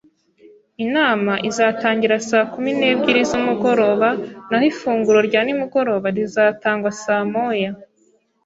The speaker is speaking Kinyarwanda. Inama izatangira saa kumi n'ebyiri z'umugoroba naho ifunguro rya nimugoroba rizatangwa saa moya.